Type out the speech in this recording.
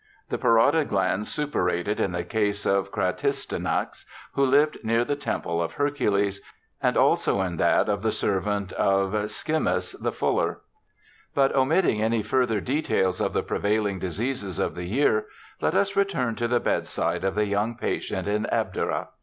... The parotid glands suppurated in the case of Cratistonax, who lived near the temple of Hercules ; and also in that of the servant of Scymmus, the fuller. But omitting any further details of the prevailing diseases of the year, let us return to the bedside of the young patient in Abdera.